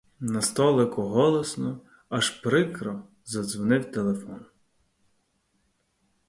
На столику голосно, аж прикро, задзвонив телефон.